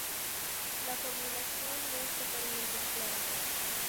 La formulación no es totalmente clara"".